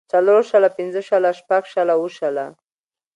څلور شله پنځۀ شله شټږ شله اووه شله